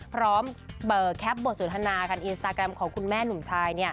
พร้อมเป่อแค็ปโบสถนาการอินสตาแกรมของคุณแม่หนุ่มชาย